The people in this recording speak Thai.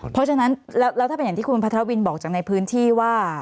เพราะฉะนั้นแล้วถ้าเป็นอย่างที่คุณพัทธวินบอกจากในพื้นที่ว่า